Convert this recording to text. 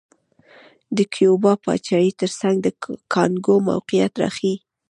د کیوبا پاچاهۍ ترڅنګ د کانګو موقعیت راښيي.